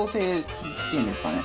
っていうんですかね。